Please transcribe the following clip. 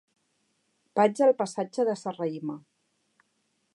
Vaig al passatge de Serrahima.